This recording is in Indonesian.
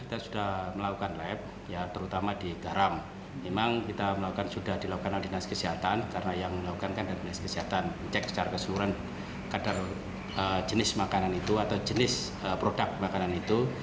ada jenis makanan itu atau jenis produk makanan itu